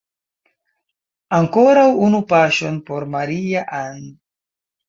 Ankoraŭ unu paŝon por Maria-Ann!